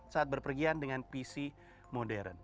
saat berpergian dengan pc modern